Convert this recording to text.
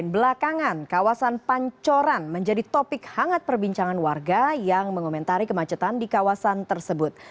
belakangan kawasan pancoran menjadi topik hangat perbincangan warga yang mengomentari kemacetan di kawasan tersebut